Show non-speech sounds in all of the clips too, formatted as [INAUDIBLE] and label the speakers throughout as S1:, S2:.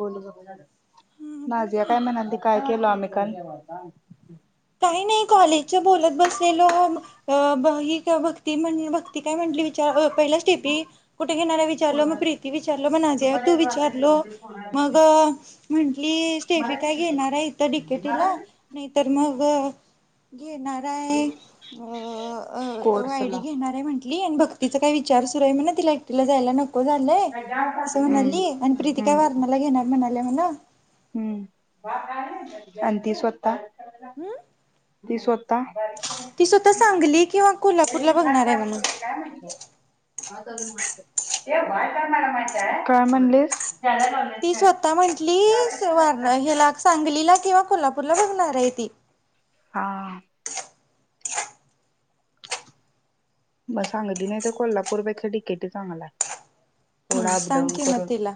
S1: बोलू
S2: हा बोल
S1: नाजिया काय
S2: ना
S1: म्हणाली काय केल आम्ही का?
S2: काही नाही कॉलेजच्या बोलत बसलेलो आ ही भक्ती म्हणली भक्ती ती काय म्हटली विचार पहिला स्टेफी कुठे घेणार आहे विचारलो मग प्रीती विचारलो मग आजे तू विचारलो मग म्हंटली स्टेफी काय घेणार आहे इथं डिकेटीला नाहीतर मग व्हय घेणार आहे अ अ वायडी
S1: कोर्सला
S2: घेणार आहे म्हण आणि भक्तीचा काय विचार आहे म्ह तिला एकटीला जायला नक हे आलंय, अस
S1: हम्म
S2: म्हणाली अन प्रीती काय
S1: हम्म
S2: वारनेला घेनार म्हणालिया म्हण
S1: हम्म आणि ती स्वतः
S2: हम्म
S1: ती स्व
S2: ती स्वतः सांगली किंवा कोल्हापूरला
S1: त्यास्नी भात
S2: बघणार आहे
S1: बारीक
S2: म्हणून
S1: होतोय काय म्हटलं. भात अजून व्हायचा हाय. काय म्हणलीस?
S2: ती स्वतः म्हंटली वारणा ह्याला सांगलीला किंवा कोल्हा तुला बघणार हाय ती.
S1: हा हा म सांगली नाही तर कोल्हापूरपेक्षा डी के टी चांगल हाय.
S2: हम् सांग की म तीला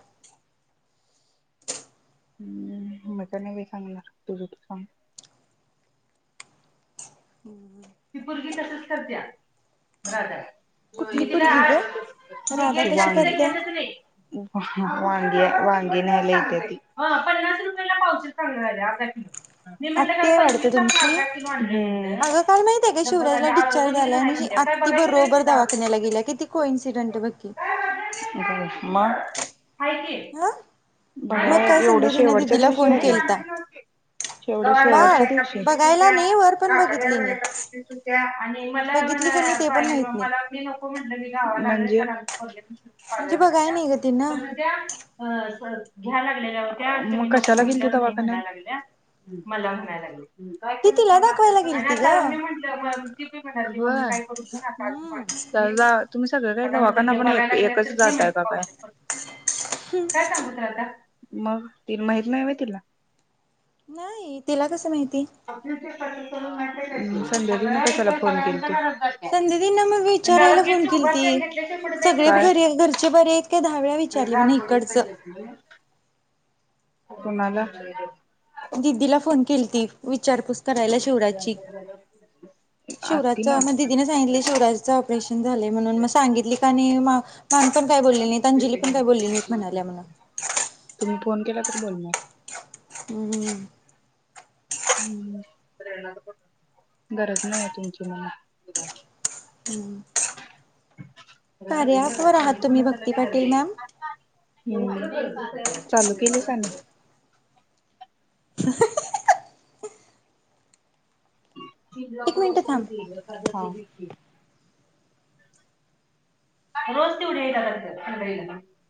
S1: हम् मी काय नाही बाई सांगणार तुझ तू सांग.
S2: हम्म हम्म
S1: ती पुरगी तशीच करतिया राधा.
S2: कुठली
S1: मी तिला
S2: पोरगी ग
S1: आज मी
S2: राधा
S1: गेटच्या
S2: कशी
S1: आत
S2: करत्या
S1: घेतच नई. वांगी, वांगी न्यायला येत्या ती. ह पन्नास रुपयाला पावशेर सांगालिया. मी म्हटलं
S2: आत्ती
S1: काय
S2: आहे
S1: पंचवीस
S2: वाटतं
S1: ला आपन
S2: तुमची
S1: अर्धा किलो आनलंय.
S2: अगं काल
S1: ह
S2: माहित हाय काय शिवराजला डिस्चार्ज द्यालाय आणि आत्ती
S1: बघाय गेलं होय
S2: बरोबर
S1: तिचं
S2: दवाखान्याला गेलीया किती
S1: ऑर्गॅनिक
S2: कोइन्सिडंट बघ की.
S1: म हाय
S2: हा मग काय
S1: की एवढ
S2: संध्या तिनं
S1: शेवटच्या
S2: दिदीला
S1: दिवशी
S2: फोन
S1: आहे.
S2: केलता
S1: शेवट
S2: बाळ
S1: शेवटच्या दिवशी
S2: बघायला नाही वर पण बघितली नाही
S1: तुमच्या आणि मला
S2: बघितली का नाही
S1: म्हण
S2: ते पण
S1: पानी आलंय
S2: माहित
S1: म्हणून
S2: नाही
S1: मला मी नको म्हंटल मी गावाला आली. म्हणजे पण
S2: म्हणजे बघाय नाही ग तिनं
S1: त्या अ स्वय घ्याय लागलेल्या होत्या. मग कशाला गेलती दवाखान्यात? मला म्हणाय लागलिया. ह काय
S2: ती
S1: करत
S2: तिला
S1: नाही म्हातारी.
S2: दाखवायला
S1: आणि
S2: गेलती
S1: आज
S2: ग
S1: करून बी म्हटलं. होय
S2: हम्म
S1: चल जा तुम्ही सगळं होय दवाखाना पण ये कस जाताय बघा? काय सांगू तुला अता? मग ति माहीत नाही होय तिला?
S2: नाही तिला कसं माहिती.
S1: आपलं ते ठर अ संध्याकाळी आणि कशाला फोन केलती?
S2: संध्याताईंना मी विचारायला फोन
S1: उभारत
S2: केलती
S1: नाही घेतल्याच्या पुढे जायचं
S2: सगळे
S1: नाही.
S2: घरी घरचे बरे आहेत का दहा वेळा विचारली म्हणे
S1: रामपूरीत
S2: इकडच
S1: कोणाला?
S2: दिदीला फोन केलती विचारपूस करायला शिवराजची
S1: आत्तीना?
S2: शिवराजचं म दिदीने सांगितलं शिवराजचं ऑपरेशन झालं म्हणून म सांगितली का नाही मा [INAUDIBLE] पण काय बोलली नाहीत अंजली पण काय बोलली नाहीत म्हणाल्या म्हणून
S1: तुम्ही फोन केला तर बोलणार.
S2: [INAUDIBLE]
S1: गरज नायये तुमची मला [INAUDIBLE]
S2: कार्या ॲप वर आहात तुम्ही भक्ती पाटील मॅम
S1: चालू केली का नाय.
S2: [INAUDIBLE]
S1: [INAUDIBLE] लक
S2: एक मिनिट
S1: लोक
S2: थांब
S1: होती. एखाद [INAUDIBLE] रोज तेवढी [UNINTELLIGIBLE]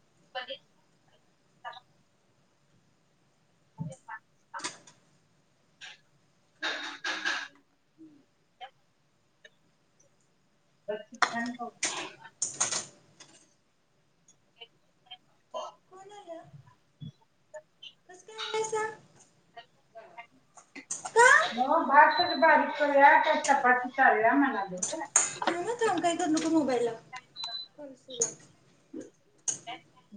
S1: [INAUDIBLE] [INAUDIBLE]
S2: कोण आलं कसं काय आलायसा का
S1: हो भात बारीक करुया ते चपाती चालू हाय म्हणलोत ग
S2: कर नको मोबाईलला करू सुरवात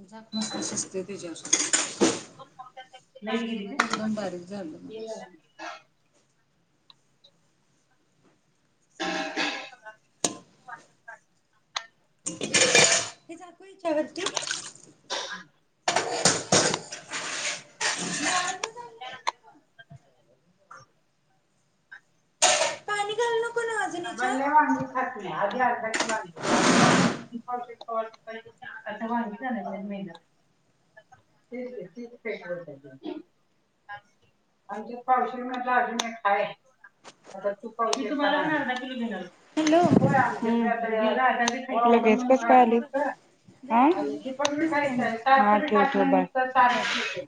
S2: झाक मस्त शिजतंय तेज्यावर [UNINTELLIGIBLE]
S1: लाईट गेली
S2: एकदम बारीक झालं मग अस
S1: काय? [UNINTELLIGIBLE]
S2: हे झाकु हेच्यावरती
S1: [INAUDIBLE]
S2: पाणी घालू नको ना अजून याच्यात.
S1: [UNINTELLIGIBLE] [UNINTELLIGIBLE] [INAUDIBLE] [INAUDIBLE] [UNINTELLIGIBLE]
S2: हॅलो. चालते ठेवू मी जरा जरा ठेवू मी ठेवू काय मी.
S1: हा ठेव ठेव
S2: हा ठेवा.
S1: बाय.